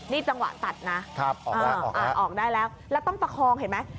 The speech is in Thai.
นี่จังหวะตัดนะออกได้แล้วแล้วต้องประคองเห็นไหม